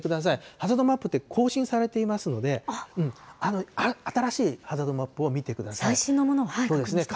ハザードマップって更新されていますので、新しいハザードマップ最新のものを確認してくださそうですね。